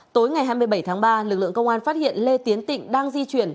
tối ngày hai mươi bảy tháng ba lực lượng công an phát hiện lê tiến tịnh đang di chuyển